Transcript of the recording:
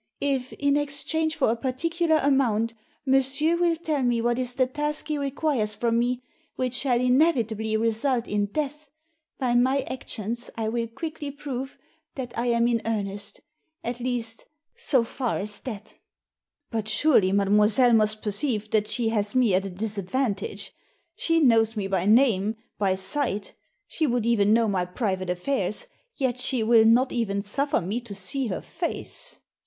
If, in exchange for a particular amount, monsieur will tell me what is the task he requires from me, which shall inevitably result in death, by my actions I will quickly prove that I am in earnest, at least, so far as that" " But surely mademoiselle must perceive that she has me at a disadvantage. She knows me by name, by sight, she would even know my private affairs, yet she will not even suffer me to see her face."